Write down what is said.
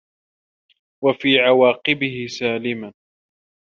وَفِي عَوَاقِبِهِ سَالِمًا